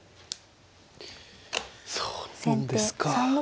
そうなんですか。